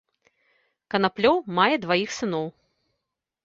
Канаплёў мае дваіх сыноў.